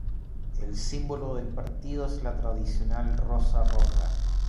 El símbolo del partido es la tradicional rosa roja.